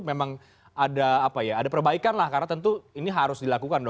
memang ada perbaikan karena tentu ini harus dilakukan